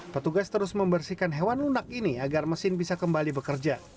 petugas terus membersihkan hewan lunak ini agar mesin bisa kembali bekerja